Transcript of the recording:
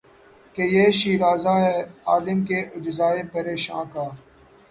کہ یہ شیرازہ ہے عالم کے اجزائے پریشاں کا